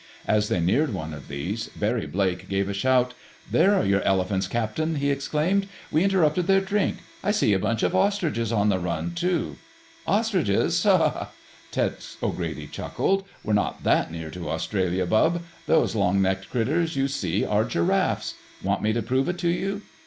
As they neared one of these, Barry Blake gave a shout. "There are your elephants, Captain!" he exclaimed. "We interrupted their drink. I see a bunch of ostriches on the run, too—" "Ostriches—ha, ha!" Tex O'Grady chuckled. "We're not that near to Australia, Bub. Those long necked critters you see are giraffes. Want me to prove it to you?"